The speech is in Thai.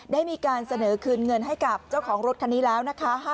ได้มีการเสนอคืนเงินให้กับเจ้าของรถคันนี้แล้วนะคะ